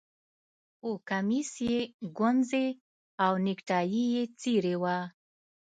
خو کمیس یې ګونځې او نیکټايي یې څیرې وه